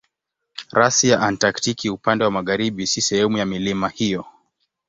Rasi ya Antaktiki upande wa magharibi si sehemu ya milima hiyo.